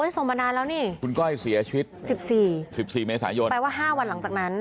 ส่งมานานแล้วนี่คุณก้อยเสียชีวิต๑๔๑๔เมษายนแปลว่า๕วันหลังจากนั้น